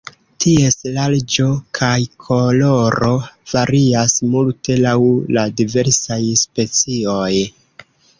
Ties larĝo kaj koloro varias multe laŭ la diversaj specioj.